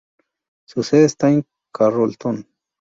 Su sede está en Carrollton.